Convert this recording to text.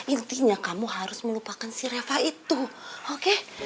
intinya kamu harus melupakan si reva itu oke